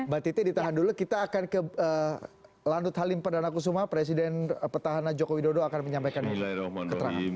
mbak titi ditahan dulu kita akan ke landut halim perdana kusuma presiden petahana joko widodo akan menyampaikan ketrakan